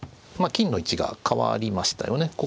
金の位置が変わりましたよね。